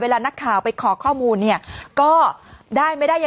ปรากฏว่าสิ่งที่เกิดขึ้นคลิปนี้ฮะ